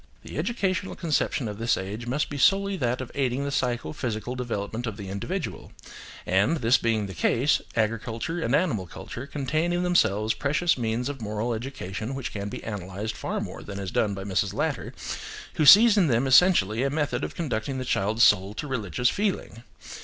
The educational conception of this age must be solely that of aiding the psycho physical development of the individual; and, this being the case, agriculture and animal culture contain in themselves precious means of moral education which can be analysed far more than is done by Mrs. Latter, who sees in them essentially a method of conducting the child's soul to religious feeling.